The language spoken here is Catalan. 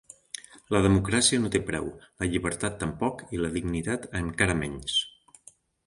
La democràcia no té preu, la llibertat tampoc i la dignitat encara menys.